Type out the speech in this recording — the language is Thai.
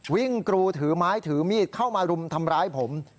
กรูถือไม้ถือมีดเข้ามารุมทำร้ายผม